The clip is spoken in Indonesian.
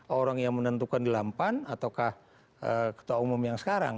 orang yang menentukan di lampan ataukah ketua umum yang sekarang